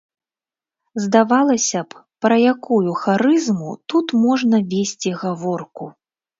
Здавалася б, пра якую харызму тут можна весці гаворку!